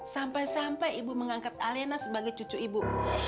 sampai sampai ibu mengangkat alena sebagai cucu ibu